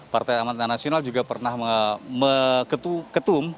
partai amanat nasional juga pernah ketum